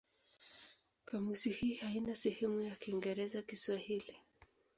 Kamusi hii haina sehemu ya Kiingereza-Kiswahili.